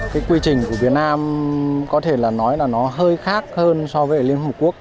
cái quy trình của việt nam có thể là nói là nó hơi khác hơn so với liên hợp quốc